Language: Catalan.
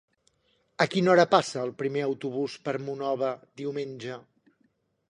A quina hora passa el primer autobús per Monòver diumenge?